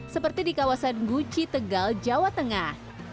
seperti di kawasan guci tegal jawa tengah